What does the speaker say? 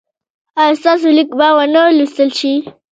ایا ستاسو لیک به و نه لوستل شي؟